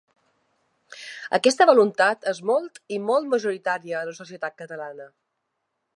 Aquesta voluntat és molt i molt majoritària a la societat catalana.